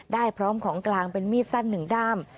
ได้พร้อมของกลางเป็นมีดสั้นหนึ่งด้าม